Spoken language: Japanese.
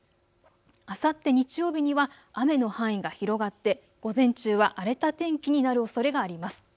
あさって日曜日には雨の範囲が広がって午前中は荒れた天気になるおそれがあります。